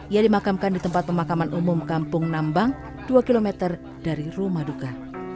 ia dimakamkan di tempat pemakaman umum kampung nambang dua km dari rumah duka